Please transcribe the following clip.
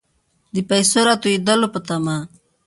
د پیسو راتوېدلو په طمع.